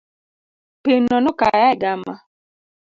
Pino nokaya e gama.